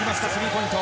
ポイント